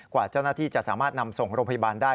กว่าเจ้าหน้าที่จะสามารถนำส่งโรงพยาบาลได้